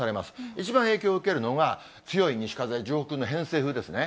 一番影響を受けるのが、強い西風、上空の偏西風ですね。